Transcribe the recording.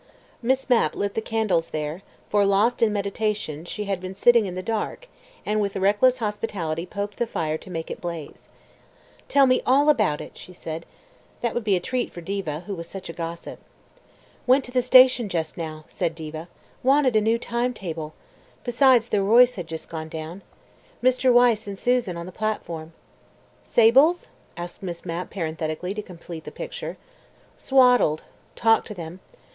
Miss Mapp lit the candles there, for, lost in meditation, she had been sitting in the dark, and with reckless hospitality poked the fire to make it blaze. "Tell me all about it," she said. That would be a treat for Diva, who was such a gossip. "Went to the station just now," said Diva. "Wanted a new time table. Besides the Royce had just gone down. Mr. Wyse and Susan on the platform. "Sables?" asked Miss Mapp parenthetically, to complete the picture. "Swaddled. Talked to them.